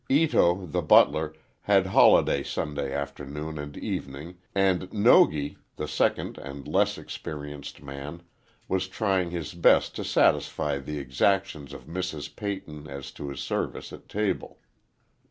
Ito, the butler, had holiday Sunday afternoon and evening, and Nogi, the second and less experienced man, was trying his best to satisfy the exactions of Mrs. Peyton as to his service at table.